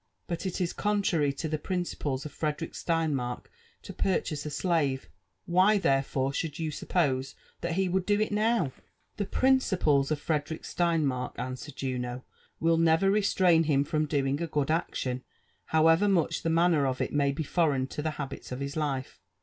But it is con trary to the principles of Frederick Steinmark to purchase a slave — why therefore should you suppose that he would do it now ?" *'The principles of Frederick Steinmark," answered Juno, will never restrain him from doing a good action, however much' the man r ner of it may be foreign to the habits of his life.